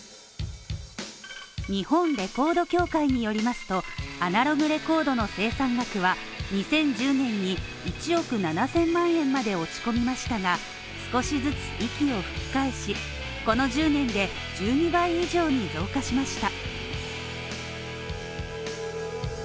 日本レコード協会によりますと、アナログレコードの生産額は２０１０年に１億７０００万円まで落ち込みましたが、少しずつ息を吹き返しこの１０年で１２倍以上に増加しました。